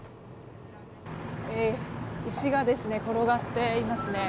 石が転がっていますね。